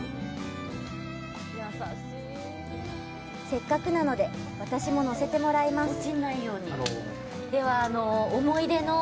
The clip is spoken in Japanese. せっかくなので、私も乗せてもらいます。